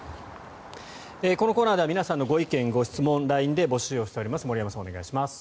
このコーナーでは皆さんのご意見・ご質問をＬＩＮＥで募集しております。